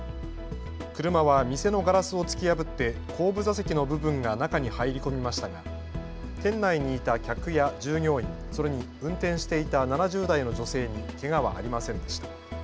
車は店のガラスを突き破って後部座席の部分が中に入り込みましたが店内にいた客や従業員、それに運転していた７０代の女性にけがはありませんでした。